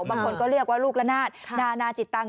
บางคนก็เรียกว่าลูกละนาดนานาจิตตัง